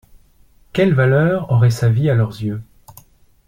Quelle valeur aurait sa vie à leurs yeux?